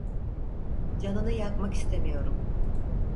Canını yakmak istemiyorum.